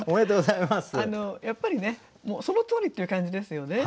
やっぱりねそのとおりという感じですよね。